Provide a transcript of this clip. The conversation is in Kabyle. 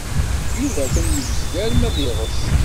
Yuba atan yebzeg arma d iɣes.